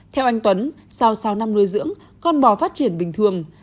theo anh tuấn sau sáu năm nuôi dưỡng con bò phát triển bình thường